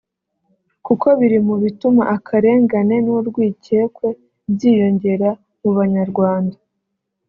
kuko biri mu bituma akarengane n’urwikekwe byiyongera m’ubanyarwanda